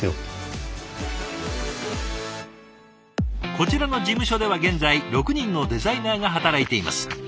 こちらの事務所では現在６人のデザイナーが働いています。